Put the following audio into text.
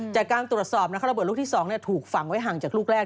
จากการตรวจสอบระเบิดลูกที่๒ถูกฝังไว้ห่างจากลูกแรก